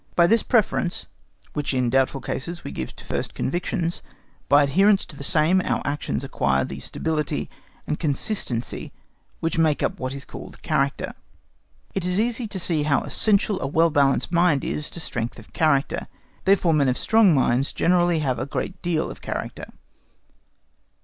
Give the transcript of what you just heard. By this preference which in doubtful cases we give to first convictions, by adherence to the same our actions acquire that stability and consistency which make up what is called character. It is easy to see how essential a well balanced mind is to strength of character; therefore men of strong minds generally have a great deal of character.